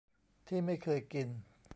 ที่ไม่เคยกิน